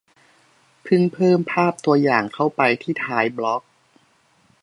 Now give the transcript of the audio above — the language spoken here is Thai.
เพิ่งเพิ่มภาพตัวอย่างเข้าไปที่ท้ายบล็อก